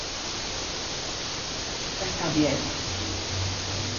Esta fue la película que convirtió a Louise Brooks en un mito.